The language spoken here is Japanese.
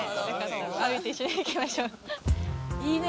歩いて一緒に行きましょういいね